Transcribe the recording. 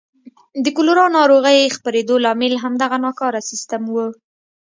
د کولرا ناروغۍ خپرېدو لامل همدغه ناکاره سیستم و.